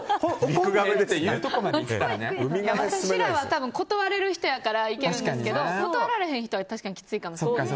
私は断れる人やからいけるんですけど断られへん人は結構きついかも。